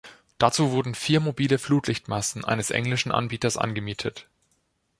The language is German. Dazu wurden vier mobile Flutlichtmasten eines englischen Anbieters angemietet.